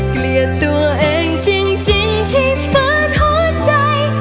เกลียดตัวเองจริงที่ฝืนหัวใจ